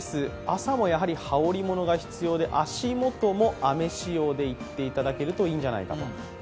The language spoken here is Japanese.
朝もやはり羽織り物が必要で足元も雨仕様で行っていただけるといいんじゃないかと。